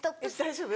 大丈夫？